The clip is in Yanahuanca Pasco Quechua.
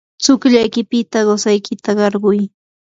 tsukllaykipita qusaykita qarquy.